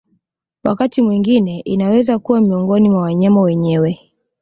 Wakati mwingine inaweza kuwa miongoni mwa wanyama wenyewe